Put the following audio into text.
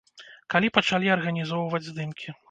Калі пачалі арганізоўваць здымкі.